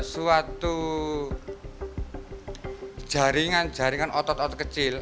suatu jaringan jaringan otot otot kecil